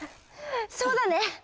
そうだね。